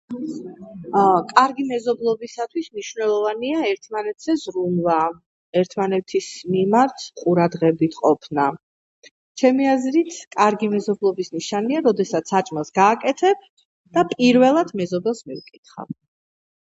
კარგი მეზობლობისათვის მნიშვნელოვანია ერთმანეთზე ზრუნვა, ერთმანეთის მიმართ ყურადრებით ყოფნა, ჩემი აზრით კარგი მეზობლობის ნიშანია როდესაც საჭმელს გააკეთებ პირველად მეზობელს მიუკითხავ.